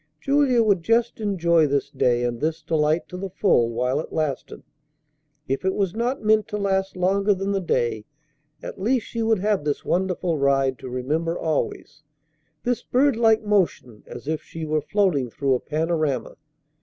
Julia would just enjoy this day and this delight to the full while it lasted. If it was not meant to last longer than the day, at least she would have this wonderful ride to remember always, this bird like motion as if she were floating through a panorama!